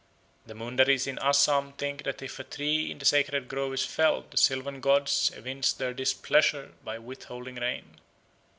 The Mundaris in Assam think that if a tree in the sacred grove is felled the sylvan gods evince their displeasure by withholding rain.